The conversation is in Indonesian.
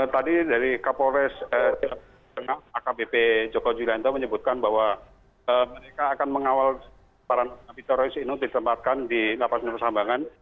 tadi dari kapolres jawa tengah akbp joko julianto menyebutkan bahwa mereka akan mengawal para napi teroris ini ditempatkan di lapas nusambangan